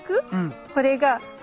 これがあ